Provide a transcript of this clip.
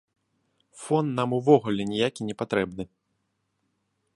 Фон нам увогуле ніякі не патрэбны.